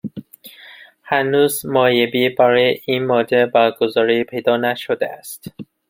هنوز معایبی برای این مدل برگزاری پیدا نشده است